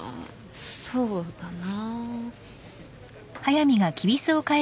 そうだな。